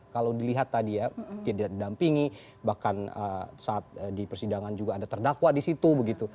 kalau dilihat tadi ya tidak didampingi bahkan saat di persidangan juga ada terdakwa di situ begitu